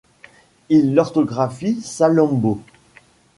Il l’orthographie Salammbô.